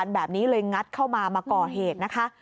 แบบนี้เลยงัดเข้ามามาก่อเหตุนะคะ